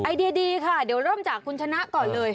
ดีค่ะเดี๋ยวเริ่มจากคุณชนะก่อนเลย